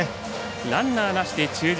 ランナーなしで中軸。